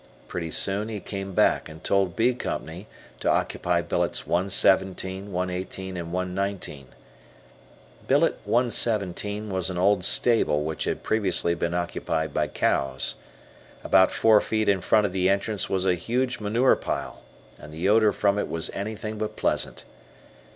Pretty soon he came back and told B Company to occupy billets 117, 118, and 119. Billet 117 was an old stable which had previously been occupied by cows. About four feet in front of the entrance was a huge manure pile, and the odor from it was anything but pleasant.